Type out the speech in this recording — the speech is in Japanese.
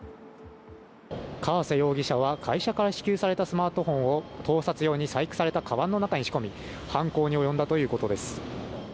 川瀬容疑者は会社から支給されたスマートフォンを盗撮用に細工された鞄の中に仕込み犯行に及んだということです。